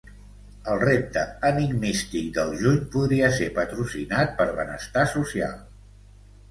El repte enigmístic del juny podria ser patrocinat per Benestar Social.